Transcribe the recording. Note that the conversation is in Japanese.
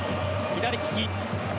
左利き。